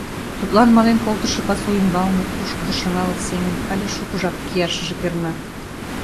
Тудлан мален колтышо пасу ӱмбалне, пушкыдо шыҥалык семын, але шуко жап кияшыже перна.